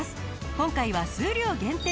今回は数量限定。